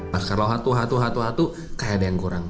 nah kalau hatu hatu hatu hatu kayak ada yang kurang